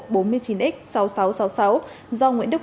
do nguyễn đức huyện định